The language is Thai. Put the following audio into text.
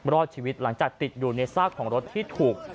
รอดชีวิตหลังจากติดอยู่ในซากของรถที่ถูก